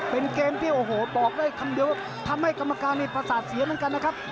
เป็นเกมที่โอ้โหบอกได้คำเดียวว่าทำให้กรรมการนี่ประสาทเสียเหมือนกันนะครับ